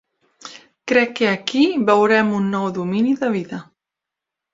Crec que aquí veurem un nou domini de vida.